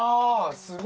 すごいな。